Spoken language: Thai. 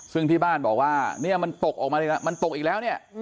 ซึ่งที่บ้านบอกว่าเนี่ยมันตกออกมาอีกแล้วมันตกอีกแล้วเนี่ย